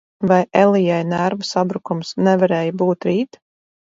Vai Elijai nervu sabrukums nevarēja būt rīt?